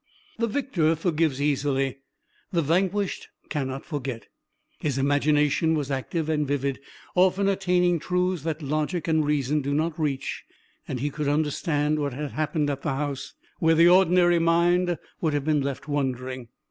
The victor forgives easily, the vanquished cannot forget. His imagination was active and vivid, often attaining truths that logic and reason do not reach, and he could understand what had happened at the house, where the ordinary mind would have been left wondering.